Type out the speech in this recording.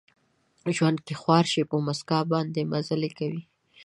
په ژوند کې خوار شي، په مسکا باندې مزلې کوي